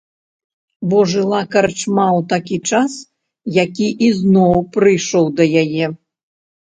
Бо жыла карчма ў такі час, які ізноў прыйшоў да яе.